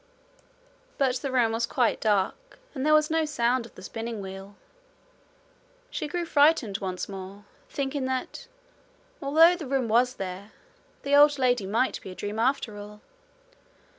But the room was quite dark and there was no sound of the spinning wheel. She grew frightened once more, thinking that, although the room was there, the old lady might be a dream after all.